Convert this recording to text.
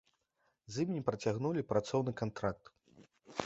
З ім не працягнулі працоўны кантракт.